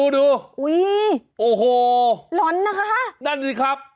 อุ้ยร้อนนะครับโอ้โหนั่นสิครับ